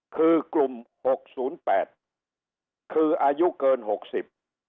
คือกลุ่มหกศูนย์แปดคืออายุเกินหกสิบ